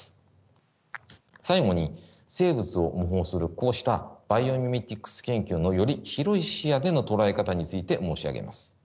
こうしたバイオミメティクス研究のより広い視野での捉え方について申し上げます。